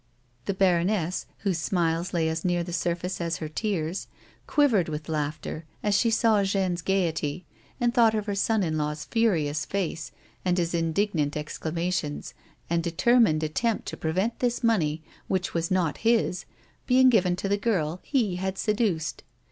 " The baronoss, whose smiles lay as near the surface as her tears, quivered with laughter as she saw Jeanne's gaiety, and thought of her son in law's furious face, and his indig nant exclamations and determined attempt to prevent this money, which was not his, being given to the girl he had seduced.